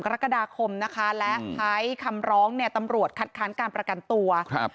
กรกฎาคมนะคะและใช้คำร้องเนี่ยตำรวจคัดค้านการประกันตัวครับ